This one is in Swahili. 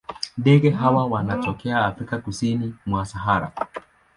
Ndege hawa wanatokea Afrika kusini mwa Sahara.